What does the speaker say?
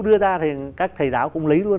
đưa ra thì các thầy giáo cũng lấy luôn